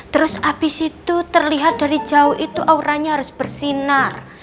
terus habis itu terlihat dari jauh itu auranya harus bersinar